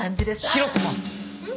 広瀬さん！